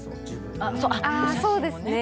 あそうですね。